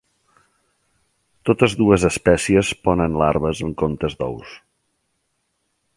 Totes dues espècies ponen larves en comptes d'ous.